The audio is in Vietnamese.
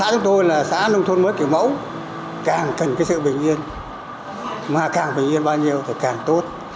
cái sự bình yên mà càng bình yên bao nhiêu thì càng tốt